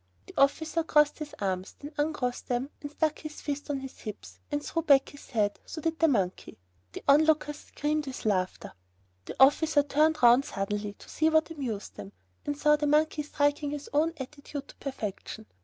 The officer crossed his arms, then uncrossed them and stuck his fists on his hips and threw back his head, so did the monkey. The onlookers screamed with laughter. The officer turned round suddenly to see what amused them, and saw the monkey striking his own attitude to perfection.